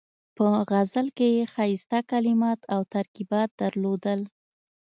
په غزل کې یې ښایسته کلمات او ترکیبات درلودل.